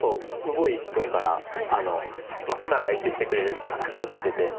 柏毅君から負けたら相手してくれるっていう話を聞いてて。